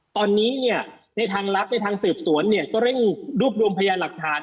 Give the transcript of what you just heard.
ตอนนี้ในทางรับในทางสืบสวนก็เร่งรวบรวมพยายามหลักฐาน